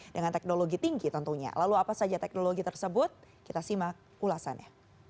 dengan teknologi tinggi tentunya lalu apa saja teknologi tersebut kita simak ulasannya